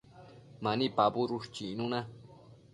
Mani pabudush chicnuna